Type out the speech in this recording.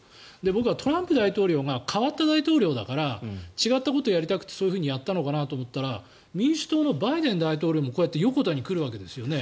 僕はトランプ大統領が変わった大統領だから違ったことをやりたくてそういったことをやったのかと思ったら民主党のバイデン大統領もこうやって横田に来るんですよね。